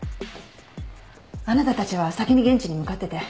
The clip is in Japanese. あなたたちは先に現地に向かってて。